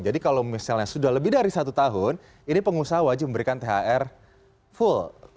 jadi kalau misalnya sudah lebih dari satu tahun ini pengusaha wajib memberikan thr full